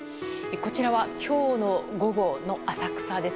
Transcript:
こちらは今日の午後の浅草です。